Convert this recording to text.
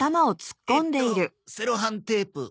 えっとセロハンテープ。